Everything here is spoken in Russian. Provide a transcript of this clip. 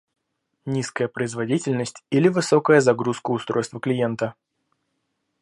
Низкая производительность или высокая загрузка устройства клиента